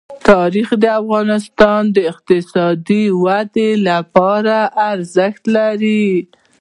تاریخ د افغانستان د اقتصادي ودې لپاره ارزښت لري.